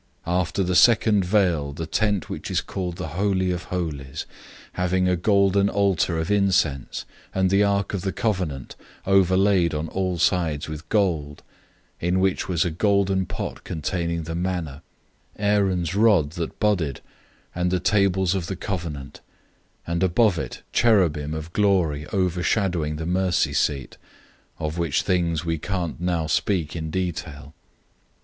009:003 After the second veil was the tabernacle which is called the Holy of Holies, 009:004 having a golden altar of incense, and the ark of the covenant overlaid on all sides with gold, in which was a golden pot holding the manna, Aaron's rod that budded, and the tablets of the covenant; 009:005 and above it cherubim of glory overshadowing the mercy seat, of which things we can't speak now in detail.